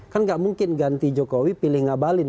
kan gak mungkin ganti jokowi pilih ngabalin